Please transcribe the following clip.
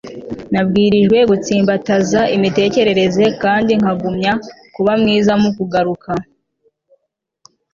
nabwirijwe gutsimbataza imitekerereze kandi nkagumya kuba mwiza mu kugaruka